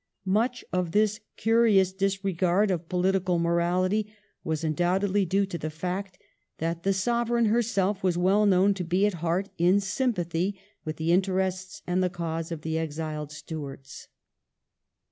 Much of this curious disregard of political morality was undoubtedly due to the fact that the Sovereign herself was well known to be at heart in sympathy with the interests and the cause of the exiled Stuarts.